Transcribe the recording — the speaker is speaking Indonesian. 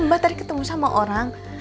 mbak tadi ketemu sama orang